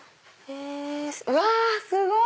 うわすごい！